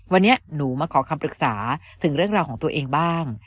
วันนี้หนูมาขอคำปรึกษาถึงเรื่องราวของตัวเองบ้าง